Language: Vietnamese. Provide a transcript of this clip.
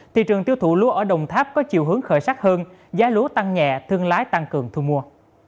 thị trường tiêu thụ lúa ở đồng tháp có chiều hướng khởi sắc hơn giá lúa tăng nhẹ thương lái tăng cường thu mua